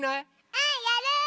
うん！やる！